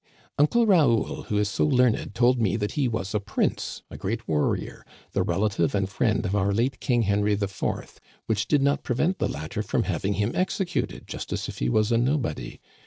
" Uncle Raoul, who is so learned, told me that he was a prince, a great warrior, the relative and friend of our late King Henry IV ; which did not prevent the latter from having him executed just as if he was a no body.